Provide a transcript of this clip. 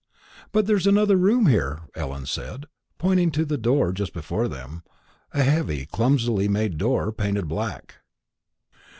"But there's another room there," Ellen said, pointing to a door just before them a heavy clumsily made door, painted black.